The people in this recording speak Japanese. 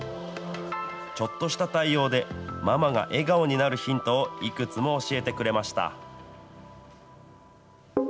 ちょっとした対応で、ママが笑顔になるヒントをいくつも教えてくれました。